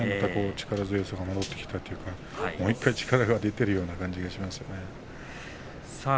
力強さが戻ってきているもう１回、力が出ているような感じがします。